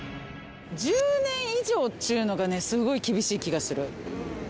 １０年以上ちゅうのがねすごい厳しい気がする。